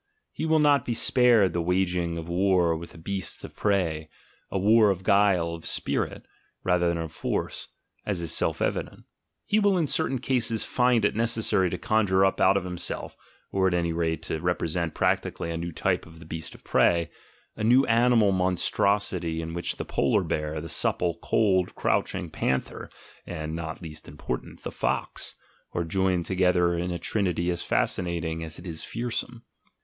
He will not be spared the waging of war with the beasts of prey, a war of guile (of "spirit") rather than of force, as is self evident — he will in cer tain cases find it necessary to conjure up out of himself, or at any rate to represent practically a new type of the beast of prey — a new animal monstrosity in which the polar bear, the supple, cold, crouching panther, and, not least important, the fox, are joined together in a trinity as fascinating as it is fearsome.